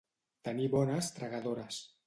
Tenir bones tragadores.